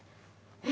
「え！？」